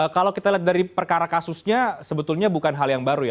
kalau kita lihat dari perkara kasusnya sebetulnya bukan hal yang baru ya